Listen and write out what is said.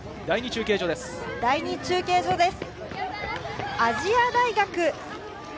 画面は第２中継所です。